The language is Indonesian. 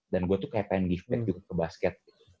dan gue tuh pengen give back juga ke basket